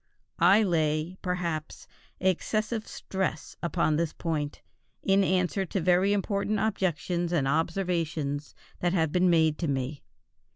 I lay, perhaps, excessive stress upon this point, in answer to very important objections and observations that have been made to me.